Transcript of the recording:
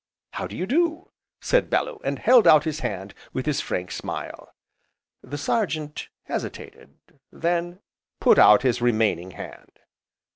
"How do you do!" said Bellew, and held out his hand with his frank smile. The Sergeant hesitated, then put out his remaining hand.